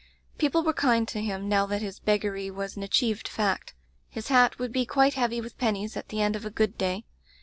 "People were kind to him, now that his beggary was an achieved fact. His hat would be quite heavy with pennies at the end of a good day.